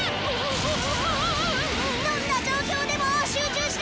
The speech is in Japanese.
どんな状況でも集中しろ！